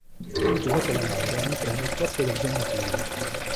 Subito dopo la laurea entrò nel corpo del genio civile.